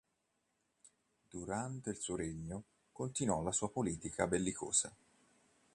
Durante il suo regno, continuò la sua politica bellicosa.